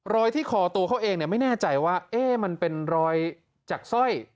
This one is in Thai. รอยที่คอตัวเขาเองเนี่ยไม่แน่ใจว่าเอ๊ะมันเป็นรอยจากซ่อย